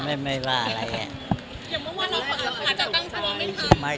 ไปไม่ว่าไม่ว่าอะไร